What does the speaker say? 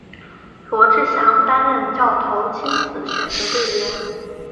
罗志祥担任教头亲自选择队员。